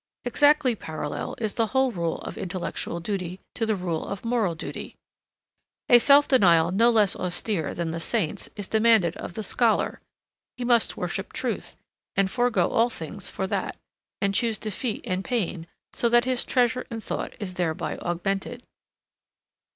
Exactly parallel is the whole rule of intellectual duty to the rule of moral duty. A self denial no less austere than the saint's is demanded of the scholar. He must worship truth, and forego all things for that, and choose defeat and pain, so that his treasure in thought is thereby augmented.